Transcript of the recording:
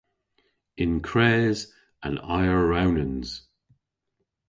Ynkres an ayrewnans.